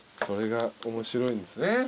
それが面白いんですね